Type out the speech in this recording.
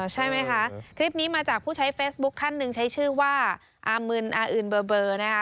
ใช่ไหมคะคลิปนี้มาจากผู้ใช้เฟซบุ๊คท่านหนึ่งใช้ชื่อว่าอามึนอาอึนเบอร์นะคะ